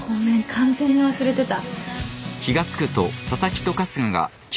完全に忘れてた。